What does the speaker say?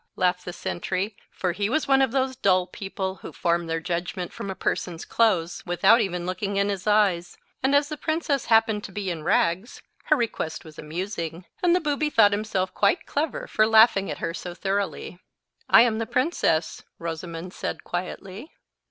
laughed the sentry, for he was one of those dull people who form their judgment from a person's clothes, without even looking in his eyes; and as the princess happened to be in rags, her request was amusing, and the booby thought himself quite clever for laughing at her so thoroughly. "I am the princess," Rosamond said quietly.